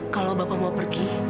kalau bapak mau pergi